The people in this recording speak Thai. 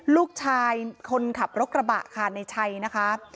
ลูกชายคนขับรถกระบะค่ะในชัยนะคะ